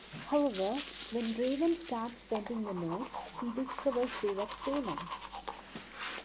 However, when Raven starts spending the notes, he discovers they were stolen.